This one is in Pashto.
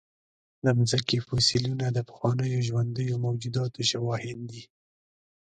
د مځکې فوسیلونه د پخوانیو ژوندیو موجوداتو شواهد دي.